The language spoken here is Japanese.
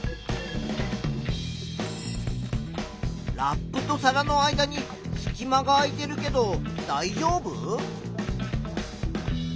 ラップと皿の間にすき間が空いているけどだいじょうぶ？